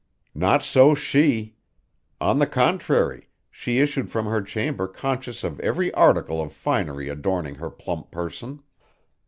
Not so she! On the contrary she issued from her chamber conscious of every article of finery adorning her plump person.